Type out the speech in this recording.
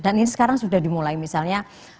dan ini sekarang sudah dimulai misalnya